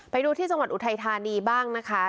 ไปดูที่จังหวัดอุทัยธานีบ้างนะคะ